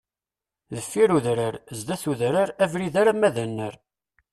Deffir udrar, zdat udrar, abrid arama d anar.